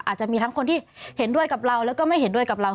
อาจจะมีทั้งคนที่เห็นด้วยกับเราแล้วก็ไม่เห็นด้วยกับเรา